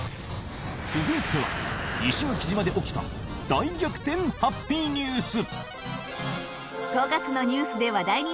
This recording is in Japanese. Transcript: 続いては石垣島で起きた大逆転ハッピーニュース。